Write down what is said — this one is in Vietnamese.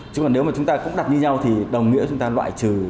chứ còn nếu mà chúng ta cũng đặt như nhau thì đồng nghĩa chúng ta loại trừ